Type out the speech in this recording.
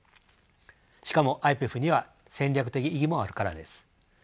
しかもＩＰＥＦには戦略的意義もあるからです。